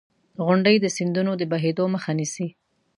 • غونډۍ د سیندونو د بهېدو مخه نیسي.